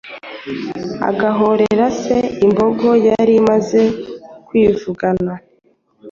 agahorera se imbogo yari imaze kwivugana,